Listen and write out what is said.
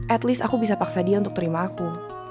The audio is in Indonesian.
at least aku bisa paksa dia untuk terima aku